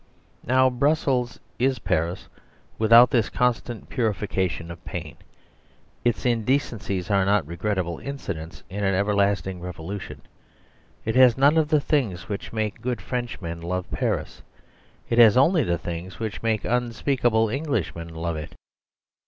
Now Brussels is Paris without this constant purification of pain. Its indecencies are not regrettable incidents in an everlasting revolution. It has none of the things which make good Frenchmen love Paris; it has only the things which make unspeakable Englishmen love it.